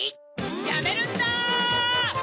やめるんだ！